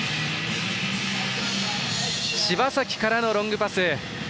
柴崎からのロングパス。